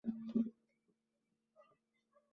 এক মিনিট দেরিতে।